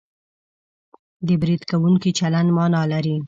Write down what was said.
د برید کوونکي چلند مانا لري